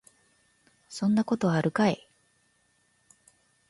そんなことあるかい